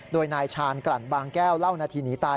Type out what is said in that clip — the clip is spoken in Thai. โดยนายชานกรรณบางแก้วเล่านาธิหนีตาย